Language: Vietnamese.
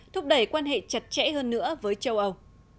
thúc đẩy quan hệ chặt chẽ hơn nữa với châu âu